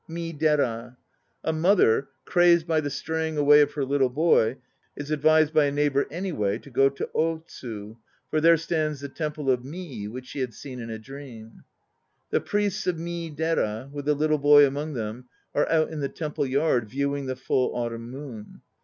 "MIIDERA. A mother, crazed by the straying away of her little boy, is advised by a neighbour any way to go to Otsu, for there stands the temple of Mii which she had seen in a dream. 'The priests of Miidera, with the little boy among them, are out in the temple yard viewing the full autumn moon.